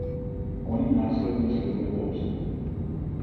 On jí následně slibuje pomstu.